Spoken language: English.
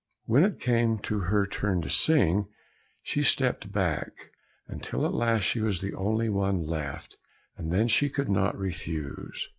When it came to her turn to sing, she stepped back, until at last she was the only one left, and then she could not refuse.